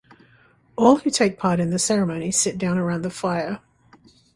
All who take part in the ceremony sit down around the fire